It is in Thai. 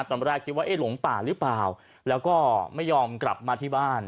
ตอนแรกคิดว่าเอ๊ะหลงป่าหรือเปล่าแล้วก็ไม่ยอมกลับมาที่บ้าน